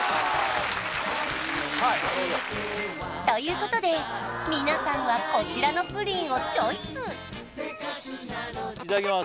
はいなるほどということで皆さんはこちらのプリンをチョイスいただきます